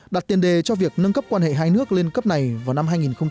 đặt tiền đề cho việc nâng cấp quan hệ hai nước lên cấp này vào năm hai nghìn hai mươi